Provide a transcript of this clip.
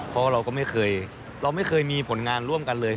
เพราะเราก็ไม่เคยเราไม่เคยมีผลงานร่วมกันเลย